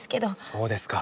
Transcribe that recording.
そうですか。